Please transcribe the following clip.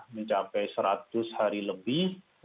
mencapai seratus hari lebih